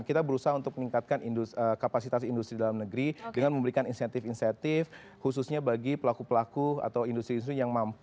kita berusaha untuk meningkatkan kapasitas industri dalam negeri dengan memberikan insentif insentif khususnya bagi pelaku pelaku atau industri industri yang mampu